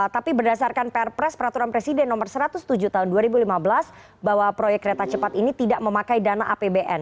tapi berdasarkan perpres peraturan presiden nomor satu ratus tujuh tahun dua ribu lima belas bahwa proyek kereta cepat ini tidak memakai dana apbn